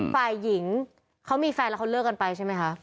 ฝ่ายหญิงเขามีแฟนแล้วเขาเลิกกันไปใช่ไหมคะ